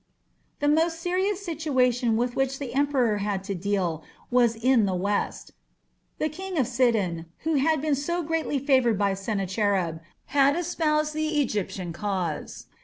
The most serious situation with which the emperor had to deal was in the west. The King of Sidon, who had been so greatly favoured by Sennacherib, had espoused the Egyptian cause.